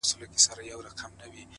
• د دې مظلوم قام د ژغورني ,